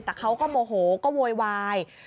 แต่เขาก็โมโหก็โวยวาย